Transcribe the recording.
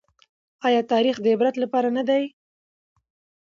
ايا تاريخ د عبرت لپاره نه دی؟